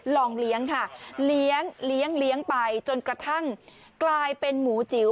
ลองเลี้ยงค่ะเลี้ยงเลี้ยงไปจนกระทั่งกลายเป็นหมูจิ๋ว